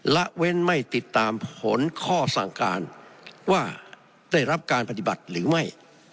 ละเว้นไม่ติดตามผลข้อสั่งการว่าได้รับการปฏิบัติหรือไม่